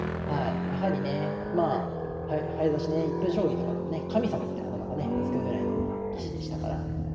やはりね早指しね１分将棋とかでもね神様ってあだ名がね付くぐらいの棋士でしたから。